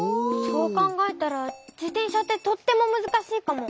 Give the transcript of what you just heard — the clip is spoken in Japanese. そうかんがえたらじてんしゃってとってもむずかしいかも。